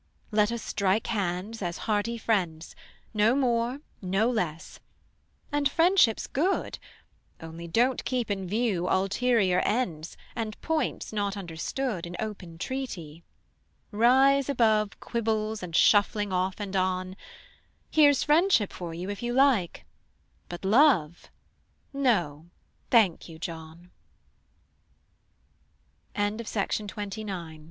Let us strike hands as hearty friends; No more, no less: and friendship's good: Only don't keep in view ulterior ends, And points not understood In open treaty. Rise above Quibbles and shuffling off and on: Here's friendship for you if you like; but love, No, thank you, John. MAY. I cannot tell you how it was; But this